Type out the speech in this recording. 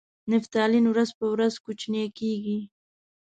نفتالین ورځ په ورځ کوچنۍ کیږي.